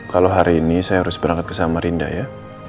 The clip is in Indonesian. kalau hari ini saya harus berangkat kesama rinda ya